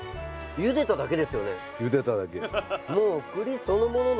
ゆでただけ。